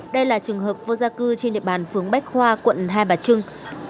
đây là trường hợp vô gia cư trên địa bàn phường bách khoa quận hai bà trưng